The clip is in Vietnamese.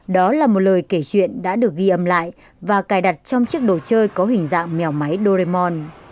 đó là một lời kể chuyện đã được ghi âm lại và cài đặt trong chiếc đồ chơi có hình dạng mèo máy doemon